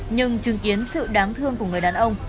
nhưng chứng kiến sự đáng thương của người đàn ông